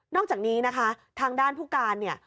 อกจากนี้นะคะทางด้านผู้การเนี่ย